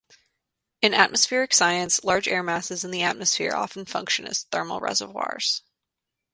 In atmospheric science, large air masses in the atmosphere often function as thermal reservoirs.